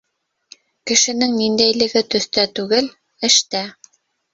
Кешенең ниндәйлеге төҫтә түгел, эштә.